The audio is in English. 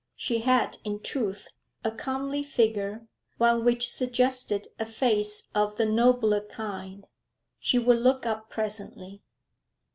She had, in truth, a comely figure, one which suggested a face of the nobler kind. She would look up presently.